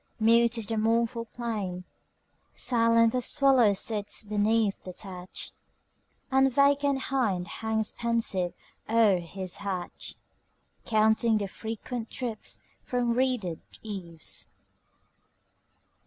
Mute is the mournful plain; Silent the swallow sits beneath the thatch, And vacant hind hangs pensive o'er his hatch, Counting the frequent drips from reeded eaves.